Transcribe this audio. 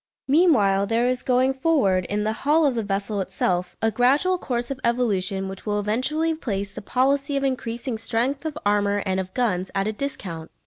Meanwhile there is going forward, in the hull of the vessel itself, a gradual course of evolution which will eventually place the policy of increasing strength of armour and of guns at a discount.